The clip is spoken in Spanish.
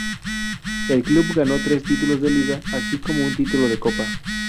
El club ganó tres títulos de liga, así como un título de copa.